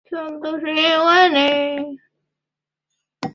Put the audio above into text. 另外他拥有巴西及安哥拉双重国籍。